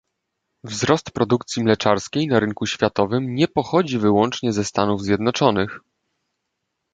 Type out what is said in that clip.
Wzrost produkcji mleczarskiej na rynku światowym nie pochodzi wyłącznie ze Stanów Zjednoczonych